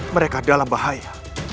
mereka dalam bahaya